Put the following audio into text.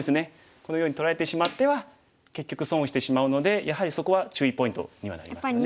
このように取られてしまっては結局損をしてしまうのでやはりそこは注意ポイントにはなりますね。